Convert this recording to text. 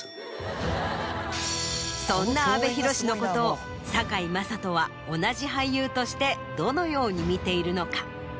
そんな阿部寛のことを堺雅人は同じ俳優としてどのように見ているのか？